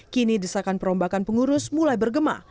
kini desakan perombakan pengurus mulai bergema